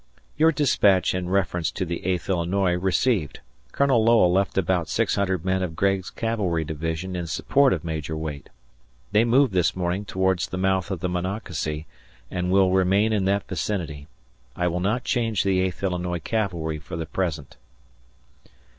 Your dispatch in reference to the Eighth Illinois received. Colonel Lowell left about 600 men of Gregg's cavalry division in support of Major Waite. They moved this morning towards the mouth of the Monocacy, and will remain in that vicinity. I will not change the Eighth Illinois Cavalry for the present.